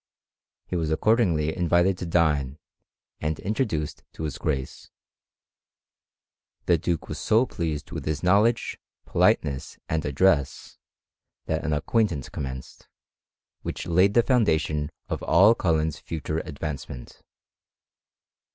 He was accordingly invited to dine, and introduced to his Grace, llie duke was so pleased with his knowledge, politeness, and address, that an acquaintance commenced, which laid the foundation of all Cullen*s future advancement.